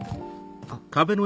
あっ。